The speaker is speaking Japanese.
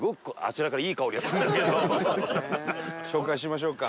紹介しましょうか。